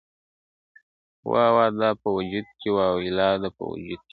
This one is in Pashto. وا وا ده په وجود کي واويلا ده په وجود کي,